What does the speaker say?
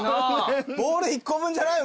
ボール１個分じゃない？